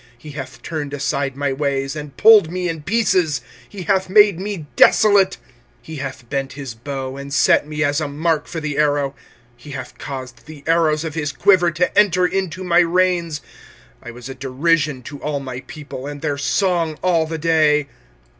25:003:011 He hath turned aside my ways, and pulled me in pieces: he hath made me desolate. 25:003:012 He hath bent his bow, and set me as a mark for the arrow. 25:003:013 He hath caused the arrows of his quiver to enter into my reins. 25:003:014 I was a derision to all my people; and their song all the day.